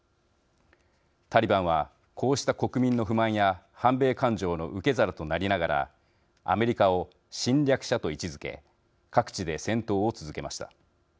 タリバンはこうした国民の不満や反米感情の受け皿となりながらアメリカを侵略者と位置づけ各地で戦闘を続けました。